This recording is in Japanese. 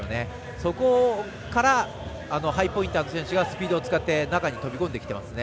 そこからハイポインターの選手がスピードを使って中に飛び込んできていますね。